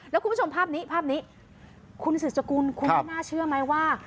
แล้วคุณผู้ชมภาพนี้ภาพนี้คุณสืบสกุลคุณไม่น่าเชื่อไหมว่า